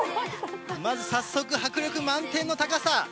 まず早速、迫力満点の高さ。